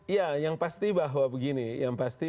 iya yang pasti bahwa begini yang pasti